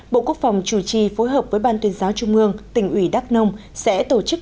bộ quốc phòng chủ trì phối hợp với ban tuyên giáo trung ương tỉnh ủy đắk nông sẽ tổ chức